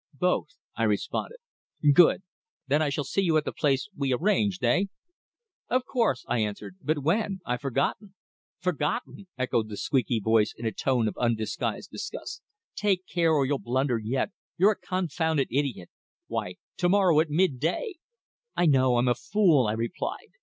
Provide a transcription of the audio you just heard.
"Both," I responded. "Good. Then I shall see you at the place we arranged eh?" "Of course," I answered. "But when? I've forgotten." "Forgotten!" echoed the squeaky voice in a tone of undisguised disgust. "Take care, or you'll blunder yet. You're a confounded idiot. Why, to morrow at midday." "I know I'm a fool," I replied.